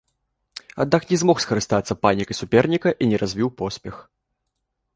Аднак не змог скарыстацца панікай суперніка і не развіў поспех.